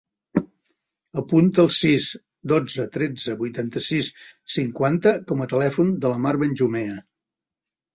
Apunta el sis, dotze, tretze, vuitanta-sis, cinquanta com a telèfon de la Mar Benjumea.